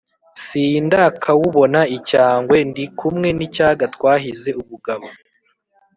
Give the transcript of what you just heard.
sindakawubona icyangwe; ndi kumwe n’ icyaga twahize ubugabo.